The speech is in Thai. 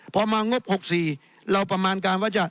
พอมางบ๖๔เราประมาณการว่าจะ